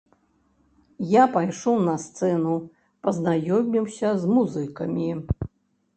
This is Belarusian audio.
Я пайшоў на сцэну, пазнаёміўся з музыкамі.